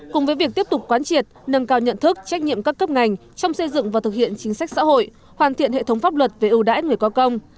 cùng với việc tiếp tục quán triệt nâng cao nhận thức trách nhiệm các cấp ngành trong xây dựng và thực hiện chính sách xã hội hoàn thiện hệ thống pháp luật về ưu đãi người có công